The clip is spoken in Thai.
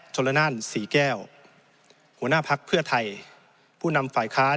จนรรเนินศรีแก้วหัวหน้าพรรคเพื่อไทยผู้นำฝ่ายค้าย